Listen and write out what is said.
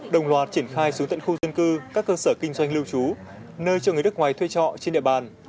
đồng loạt triển khai xuống tận khu dân cư các cơ sở kinh doanh lưu trú nơi cho người nước ngoài thuê trọ trên địa bàn